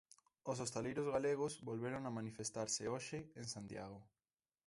Os hostaleiros galegos volveron a manifestarse hoxe en Santiago.